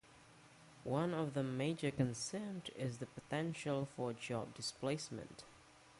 One of the major concerns is the potential for job displacement.